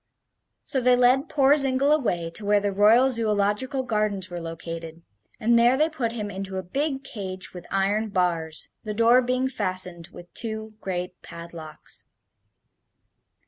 So they led poor Zingle away to where the Royal Zoological Gardens were located, and there they put him into a big cage with iron bars, the door being fastened with two great padlocks.